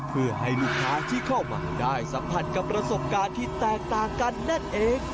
เพื่อให้ลูกค้าที่เข้ามาได้สัมผัสกับประสบการณ์ที่แตกต่างกันนั่นเอง